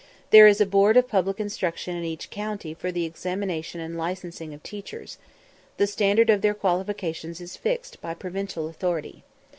There is a Board of Public Instruction in each county for the examination and licensing of teachers; the standard of their qualifications is fixed by provincial authority.